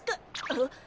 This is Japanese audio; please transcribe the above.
あっ。